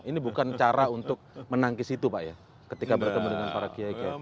ini bukan cara untuk menangkis itu pak ya ketika bertemu dengan para kiai kiai